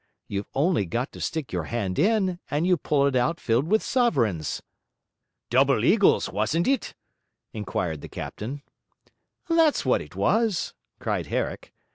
you've only got to stick your hand in, and you pull it out filled with sovereigns." 'Double eagles, wasn't iff inquired the captain. 'That was what it was!' cried Herrick.